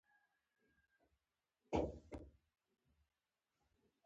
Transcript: د مسلمانانو حکومت په لاس کې لوبیږي.